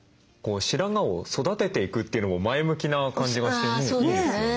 白髪を育てていくというのも前向きな感じがしてねいいですよね。